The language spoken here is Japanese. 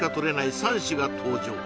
３種が登場